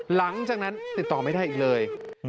หลังจากนั้นติดต่อไม่ได้อีกเลย